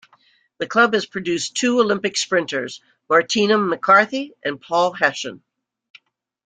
The club has produced two Olympic sprinters, Martina McCarthy and Paul Hession.